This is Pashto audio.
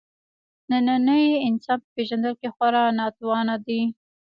د ننني انسان په پېژندلو کې خورا ناتوانه دی.